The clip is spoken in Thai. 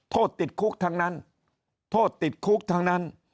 โทษติดคุกทั้งนั้นโทษติดคุกทั้งนั้น